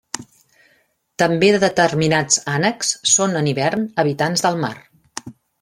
També determinats ànecs són en hivern habitants del mar.